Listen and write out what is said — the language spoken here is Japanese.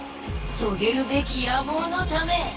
とげるべき野望のため。